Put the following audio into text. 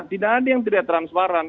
tidak ada yang tidak transparan